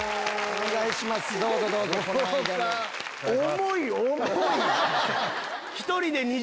重い重い！